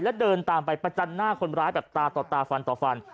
และเดินตามไปประจับหน้าคนร้ายต่อตาต่อฟัน